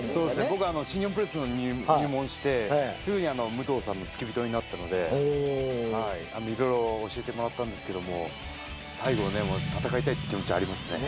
僕は新日本プロレス入門してすぐに武藤さんの付き人になったのでいろいろ教えてもらったんですけども。って気持ちありますね。